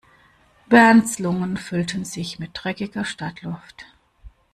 Bernds Lungen füllten sich mit dreckiger Stadtluft.